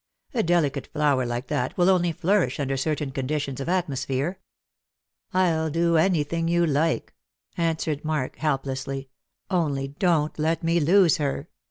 A delicate flower like that will only flourish under certain conditions of atmosphere." "I'll do anything you like," answered Mark helplessly; "only don't let me lose her.